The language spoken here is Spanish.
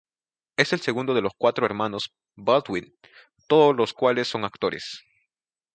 Es el segundo de los cuatro hermanos Baldwin, todos los cuales son actores.